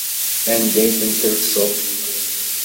Anda ay ten-tellseḍ?